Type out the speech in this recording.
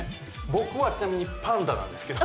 僕はちなみにパンダなんですけど。